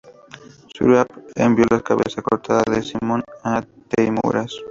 Zurab envió la cabeza cortada de Simón a Teimuraz.